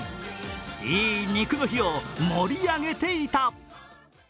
いい肉の日を盛り上げていた。